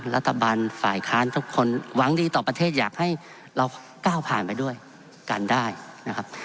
รัฐบาลฝ่ายค้านทุกคนหวังดีต่อประเทศอยากให้เราก้าวผ่านไปด้วยกันได้นะครับ